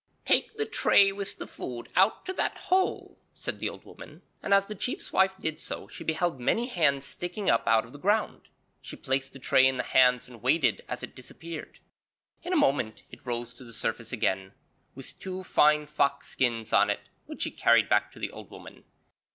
'Take the tray with the food out to that hole,' said the old woman, and as the chief's wife did so she beheld many hands sticking up out of the ground. She placed the tray in the hands, and waited as it disappeared. In a moment it rose to the surface again, with two fine fox skins on it, which she carried back to the old woman.